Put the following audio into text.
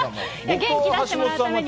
元気出してもらうために。